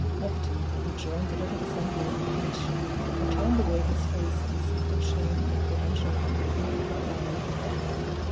Often when he joined the little assembly on the beach, he turned away his face in secret shame and apprehension from Perrine and her father.